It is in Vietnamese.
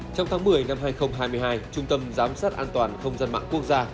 trong tháng một mươi năm hai nghìn hai mươi hai trung tâm giám sát an toàn không gian mạng quốc gia